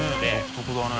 独特だね。